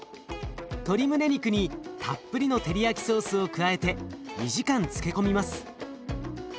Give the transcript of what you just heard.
鶏むね肉にたっぷりのテリヤキソースを加えて２時間つけ込みます。